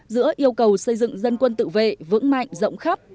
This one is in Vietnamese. giữa yêu cầu xây dựng dân quân tự vệ vững mạnh rộng khắp